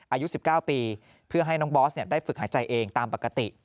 อายุ๑๙ปีเพื่อให้น้องบอสได้ฝึกหายใจเองตามปกติ